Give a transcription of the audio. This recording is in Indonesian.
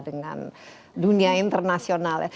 dengan dunia internasional